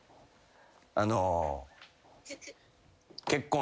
あの。